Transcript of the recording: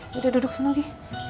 yaudah duduk semua lagi